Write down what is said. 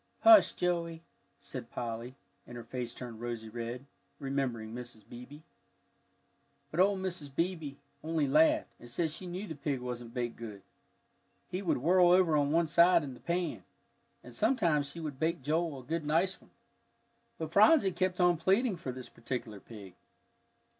"Hush, Joey," said Polly, and her face turned rosy red, remembering Mrs. Beebe. But old Mrs. Beebe only laughed, and said she knew the pig wasn't baked good, he would whirl over on one side in the pan. And sometime she would bake Joel a good nice one. But Phronsie kept on pleading for this particular pig.